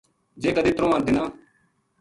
جے کدے ترواں دناں